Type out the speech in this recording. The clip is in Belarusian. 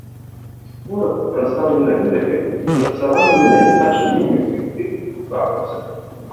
Флора прадстаўлена відамі, прыстасаванымі да нястачы вільгаці, у тым ліку кактусамі.